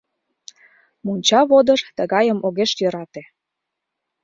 Монча водыж тыгайым огеш йӧрате.